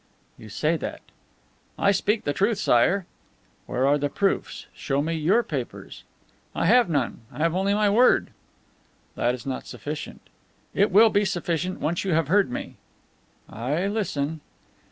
"You say that." "I speak the truth, Sire." "Where are the proofs? Show me your papers." "I have none. I have only my word." "That is not sufficient." "It will be sufficient, once you have heard me." "I listen."